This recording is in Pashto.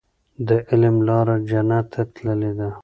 د علم لاره جنت ته تللې ده.